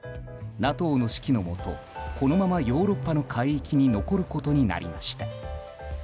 ＮＡＴＯの指揮のもとこのままヨーロッパの海域に残ることになりました。